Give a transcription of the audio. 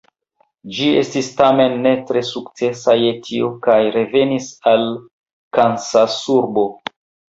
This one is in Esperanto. Ĝi estis tamen ne tre sukcesa je tio kaj revenis al Kansasurbo.